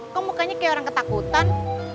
kok mukanya kayak orang ketakutan